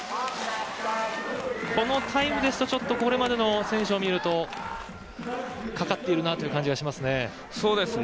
このタイムですとこれまでの選手を見るとかかっているなという感じがしますね。